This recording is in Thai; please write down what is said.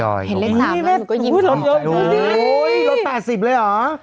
เห็นเลข๓แล้วมึงก็ยิ้มขอบโอ้โฮลด๘๐เลยเหรอ